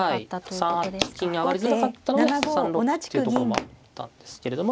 ３八金に上がりづらかったので３六歩っていうところもあったんですけれども。